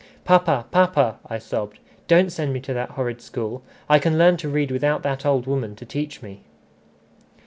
"Papa! papa!" I sobbed, "don't send me to that horrid school. I can learn to read without that old woman to teach me."